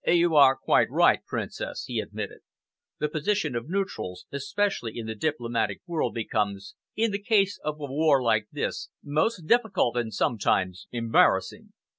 "You are quite right, Princess," he admitted. "The position of neutrals, especially in the diplomatic world, becomes, in the case of a war like this, most difficult and sometimes embarrassing.